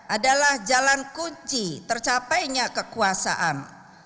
adalah jalan kunci tercapainya kekuasaan